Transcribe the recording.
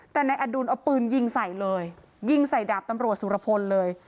แต่นายอดุลเอาปืนยิงใส่เลยยิงใส่ดาบตำรวจสุรพลเลย